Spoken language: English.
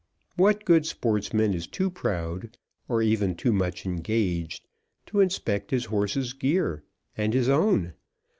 What good sportsman is too proud, or even too much engaged, to inspect his horse's gear, and his own?